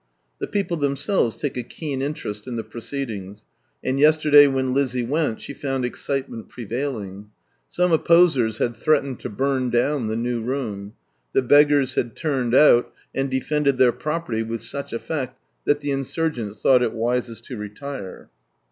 The people themselves take a keen interest in the proceedings, and yesterday when Lizzie went she found excitement prevailing. Some opposers had threatened to burn down the new room. The Beggars had turned nui, and defended their property with such effect, that the insurgents thought it wisest lo retire.